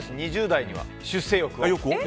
２０代には、出世欲は。